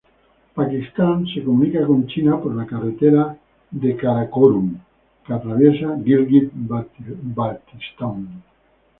Pakistán se comunica con China por la carretera del Karakórum que atraviesa Gilgit-Baltistán.